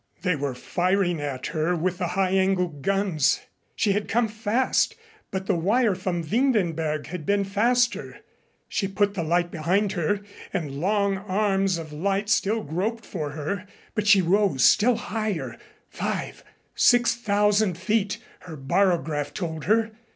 They were firing at her with the high angle guns. She had come fast, but the wire from Windenberg had been faster. She put the light behind her and long arms of light still groped for her, but she rose still higher, five six thousand feet her barograph told her.